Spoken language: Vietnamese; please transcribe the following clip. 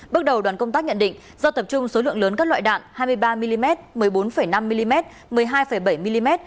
bước đầu đoàn công tác nhận định do tập trung số lượng lớn các loại đạn hai mươi ba mm một mươi bốn năm mm một mươi hai bảy mm